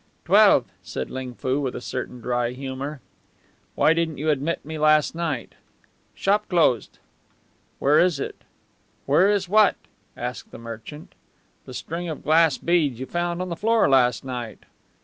"Twelve," said Ling Foo with a certain dry humour. "Why didn't you admit me last night?" "Shop closed." "Where is it?" "Where is what?" asked the merchant. "The string of glass beads you found on the floor last night."